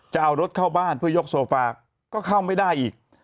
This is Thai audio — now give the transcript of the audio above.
จะเอารถเข้าบ้านเพื่อยกโซฟาก็เข้าไม่ได้อีก